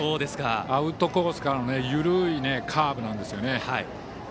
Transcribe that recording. アウトコースからの緩いカーブなんですよね。